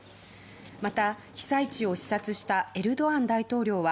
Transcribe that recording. また、被災地を視察したエルドアン大統領は